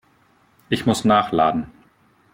Ich muss nachladen.